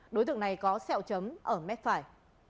đối tượng này có sẹo chấm ở mét phải